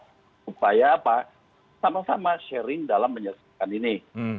supaya sama sama sharing dalam menyelesaikan ini